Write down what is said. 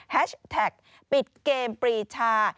แฮชแท็กปิดเกมปรีชา